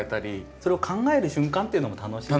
それを考える瞬間っていうのも楽しくて。